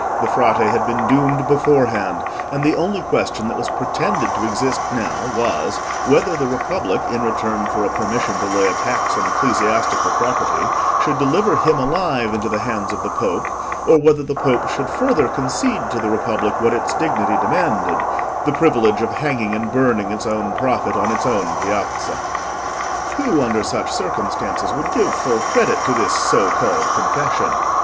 The Frate had been doomed beforehand, and the only question that was pretended to exist now was, whether the Republic, in return for a permission to lay a tax on ecclesiastical property, should deliver him alive into the hands of the Pope, or whether the Pope should further concede to the Republic what its dignity demanded—the privilege of hanging and burning its own prophet on its own piazza. Who, under such circumstances, would give full credit to this so called confession?